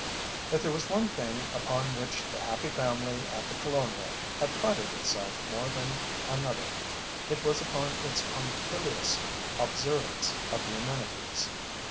If there was one thing upon which The Happy Family at The Colonial had prided itself more than another it was upon its punctilious observance of the amenities.